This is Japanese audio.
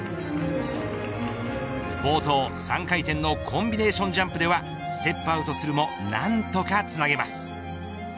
冒頭、３回転のコンビネーションジャンプではステップアウトするも何とかつなげます。